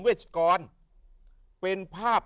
สวัสดีครับ